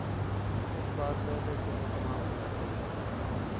اس بار پہلے سے اہتمام ہونا چاہیے۔